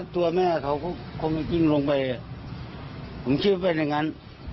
ตัวแม่เขาก็คงไม่กินลงไปผมคิดว่าเป็นอย่างนั้น